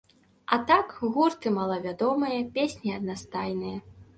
А так, гурты малавядомыя, песні аднастайныя.